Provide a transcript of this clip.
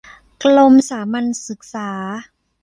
กรมสามัญศึกษา